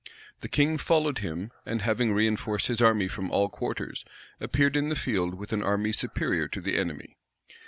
The king followed him, and having reënforced his army from all quarters, appeared in the field with an army superior to the enemy.